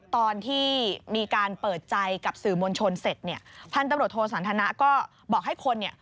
ตอนที่มีการเปิดใจกับสื่อมวลชนเสร็จเนี่ยพันธุ์ตำรวจโทสันทนะก็บอกให้คนเนี่ย